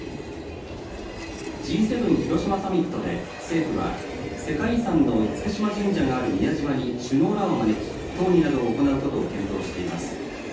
Ｇ７広島サミットで政府は世界遺産の厳島神社がある宮島に首脳らを招き、討議などを行うことを検討しています。